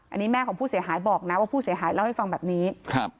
อันนี้แม่ของผู้เสียหายบอกนะว่าผู้เสียหายเล่าให้ฟังแบบนี้ครับ